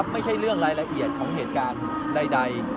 ไม่ใช่เรื่องรายละเอียดของเหตุการณ์ใด